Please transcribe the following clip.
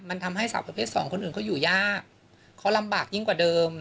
มันทำให้สาวประเภทสองคนอื่นเขาอยู่ยากเขาลำบากยิ่งกว่าเดิม